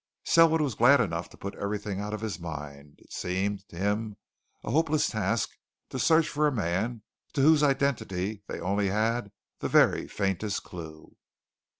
Selwood was glad enough to put everything out of his mind; it seemed to him a hopeless task to search for a man to whose identity they only had the very faintest clue.